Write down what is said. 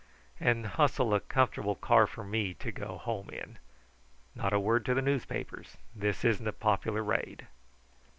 And hustle a comfortable car for me to go home in. Not a word to the newspapers. This isn't a popular raid."